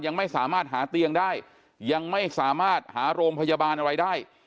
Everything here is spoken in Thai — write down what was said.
ยังไม่สามารถหาเตียงได้ยังไม่สามารถหาโรงพยาบาลอะไรได้